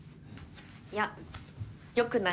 いやよくない。